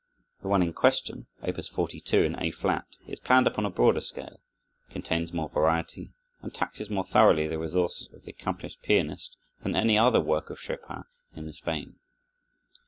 The one in question, Op. 42 in A flat, is planned upon a broader scale, contains more variety, and taxes more thoroughly the resources of the accomplished pianist than any other work of Chopin in this vein.